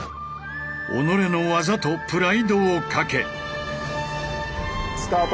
己の技とプライドをかけ。スタート。